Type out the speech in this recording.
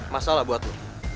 masalah buat lo